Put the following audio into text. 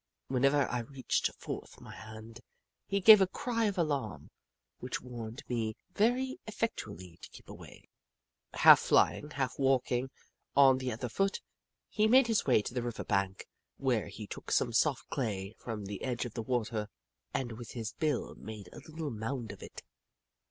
Whenever I reached forth my hand, he gave a cry of alarm which warned me very effectually to keep away. Half flying, half walking on the other foot, he made his way to the river bank, where he took some soft clay from the edge of the water and with his bill made a little mound of it.